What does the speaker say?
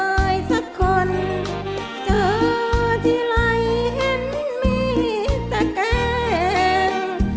สุดท้ายสักคนเจอที่ไหล่เห็นมีแต่แก้ง